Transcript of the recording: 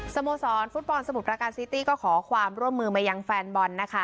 สโมสรฟุตบอลสมุทรประการซิตี้ก็ขอความร่วมมือมายังแฟนบอลนะคะ